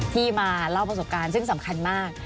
ที่มาเล่าประสบการณ์ซึ่งสำคัญมาก